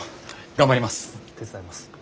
頑張ります。